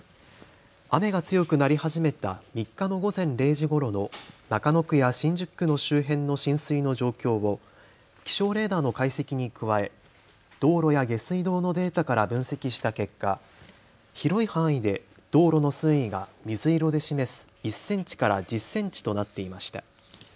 雨が強くなり始めた３日の午前０時ごろの中野区や新宿区の周辺の浸水の状況を気象レーダーの解析に加え道路や下水道のデータから分析した結果、広い範囲で道路の水位が水色で示す１センチから１０センチとなっていました。